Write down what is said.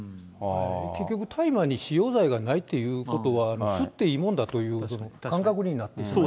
結局、大麻に使用罪がないということは、吸っていいもんだという感覚になってる。